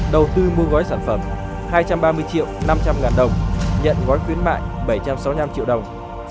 đầu tư mua gói sản phẩm hai trăm ba mươi triệu năm trăm linh ngàn đồng nhận gói khuyến mại bảy trăm sáu mươi năm triệu đồng